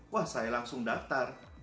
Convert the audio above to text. wah saya langsung daftar